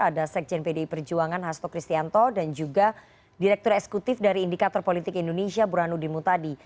ada sekjen pdi perjuangan hasto kristianto dan juga direktur eksekutif dari indikator politik indonesia burhanudin mutadi